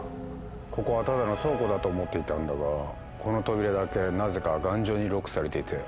ここはただの倉庫だと思っていたんだがこの扉だけなぜか頑丈にロックされていて開かないんだ。